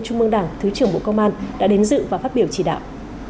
trung mương đảng thứ trưởng bộ công an đã đến dự và phát biểu chỉ đạo